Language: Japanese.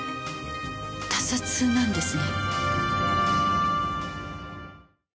他殺なんですね？